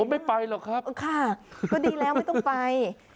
ไม่ไปหรอกครับค่ะก็ดีแล้วไม่ต้องไป